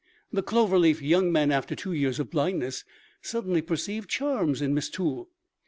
The Clover Leaf young men, after two years of blindness, suddenly perceived charms in Miss Toole.